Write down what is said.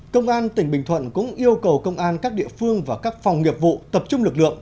công an tỉnh bình thuận cũng yêu cầu công an các địa phương và các phòng nghiệp vụ tập trung lực lượng